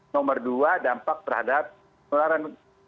nomor dua dampak terhadap penularan